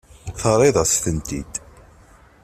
Terriḍ-as-tent-id.